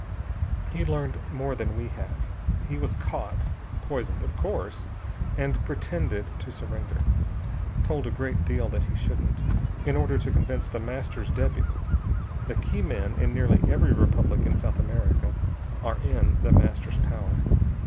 He'd learned more than we have. He was caught poisoned, of course and pretended to surrender. Told a great deal that he shouldn't, in order to convince The Master's deputy. The key men in nearly every republic in South America are in The Master's power.